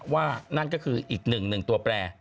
นั่นก็คืออีกหนึ่งตัวแปร